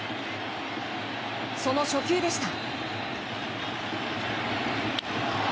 その初球でした。